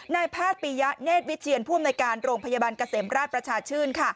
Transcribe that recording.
นายแพทย์ปียะเนธวิเชียนผู้อำนวยการโรงพยาบาลเกษมราชประชาชื่น